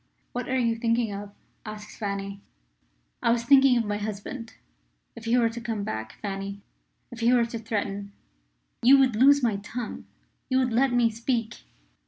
"What are you thinking of?" asked Fanny. "I was thinking of my husband. If he were to come back, Fanny if he were to threaten " "You would loose my tongue you would let me speak?"